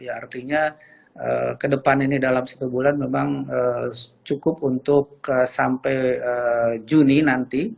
artinya ke depan ini dalam satu bulan memang cukup untuk sampai juni nanti